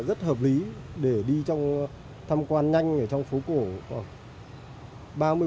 rất hợp lý để đi tham quan nhanh ở trong phố cổ